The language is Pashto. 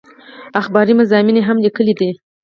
اخباري مضامين هم ليکلي دي